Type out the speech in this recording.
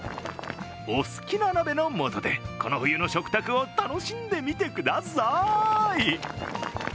お好きな鍋の素で、この冬の食卓を楽しんでみてください。